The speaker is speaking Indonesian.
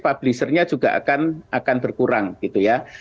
publisher nya juga akan berkurang gitu ya